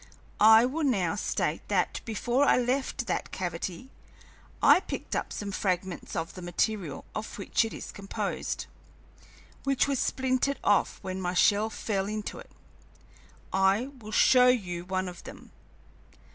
I will now state that before I left that cavity I picked up some fragments of the material of which it is composed, which were splintered off when my shell fell into it. I will show you one of them."